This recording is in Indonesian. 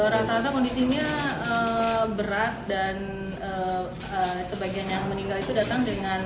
rata rata kondisinya berat dan sebagian yang meninggal itu datang dengan